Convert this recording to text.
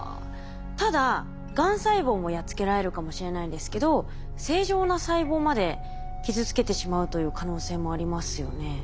ただがん細胞もやっつけられるかもしれないんですけど正常な細胞まで傷つけてしまうという可能性もありますよね。